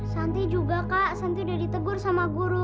nanti juga kak nanti udah ditegur sama guru